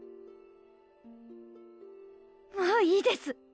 もういいです。